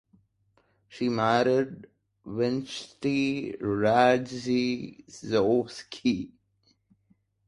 She married Wincenty Radziejowski.